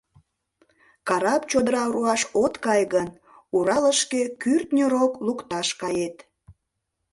Карап чодыра руаш от кае гын, Уралышке кӱртньӧ рок лукташ кает.